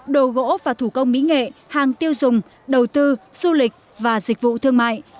đồ gỗ và thủ công mỹ nghệ hàng tiêu dùng đầu tư du lịch và dịch vụ thương mại